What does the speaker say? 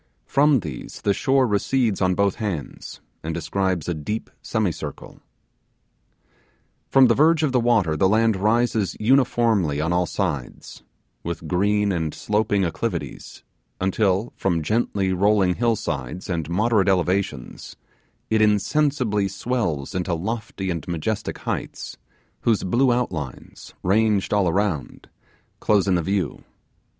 From these the shore recedes on both hands, and describes a deep semicircle. From the verge of the water the land rises uniformly on all sides, with green and sloping acclivities, until from gently rolling hill sides and moderate elevations it insensibly swells into lofty and majestic heights, whose blue outlines, ranged all around, close in the view.